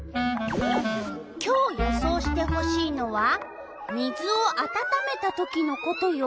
今日予想してほしいのは「水をあたためたときのこと」よ。